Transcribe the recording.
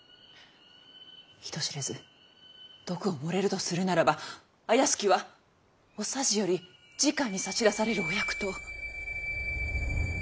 人知れず毒を盛れるとするならば怪しきはお匙よりじかに差し出されるお薬湯。